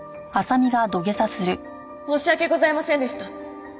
申し訳ございませんでした。